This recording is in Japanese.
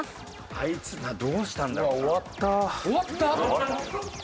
あいつどうしたんだろうな。